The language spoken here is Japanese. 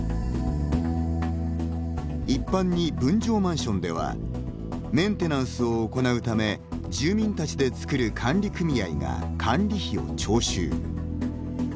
一般に、分譲マンションではメンテナンスを行うため住民たちで作る管理組合が管理費を徴収。